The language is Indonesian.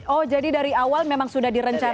oh jadi dari awal memang sudah direncanakan